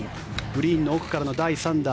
グリーンの奥からの第３打。